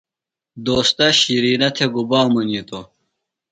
دوستہ شِرینہ تھےۡ گُبا منِیتوۡ ؟